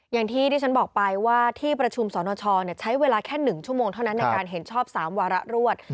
อย่างที่ที่ฉันบอกไปว่าที่ประชุมสนชใช้เวลาแค่๑ชั่วโมงเท่านั้นในการเห็นชอบ๓วาระรวด